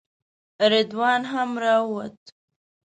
رضوان هم راووت.